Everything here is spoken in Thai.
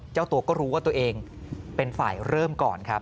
เจ้าตัวก็รู้ว่าตัวเองเป็นฝ่ายเริ่มก่อนครับ